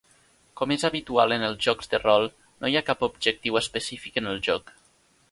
Com és habitual en els jocs de rol, no hi ha cap objectiu específic en el joc.